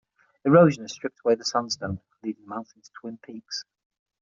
Erosion has stripped away the sandstone leaving the mountain's twin peaks.